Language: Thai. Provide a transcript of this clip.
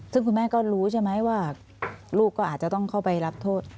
ซึ่งคุณแม่ก็รู้ใช่ไหมว่าลูกก็อาจจะต้องเข้าไปรับโทษ